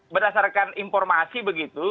berdasarkan informasi begitu